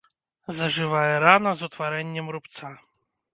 Зажывае рана з утварэннем рубца.